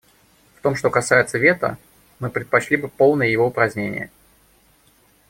В том, что касается вето, мы предпочли бы полное его упразднение.